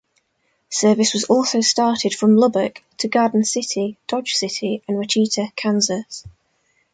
Service was also started from Lubbock, to Garden City, Dodge City, and Wichita, Kansas.